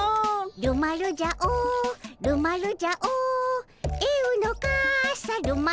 るまるじゃおるまるじゃおえうのかさるまるじゃお。